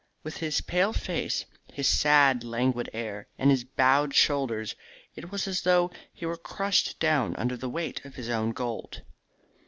With his pale face, his sad, languid air, and his bowed shoulders, it was as though he were crushed down under the weight of his own gold.